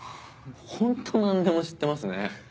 ホント何でも知ってますね。